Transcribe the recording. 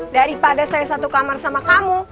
daripada saya satu kamar sama kamu